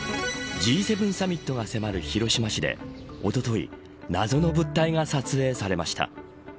Ｇ７サミットが迫る広島市でおととい謎の物体が撮影されました。